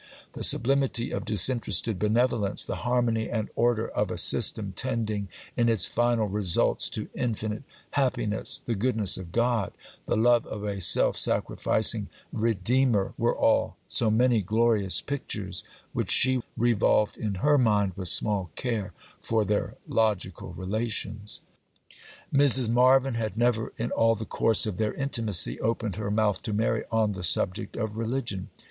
The sublimity of disinterested benevolence, the harmony and order of a system tending in its final results to infinite happiness, the goodness of God, the love of a self sacrificing Redeemer, were all so many glorious pictures, which she revolved in her mind with small care for their logical relations. Mrs. Marvyn had never, in all the course of their intimacy, opened her mouth to Mary on the subject of religion.